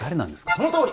そのとおり！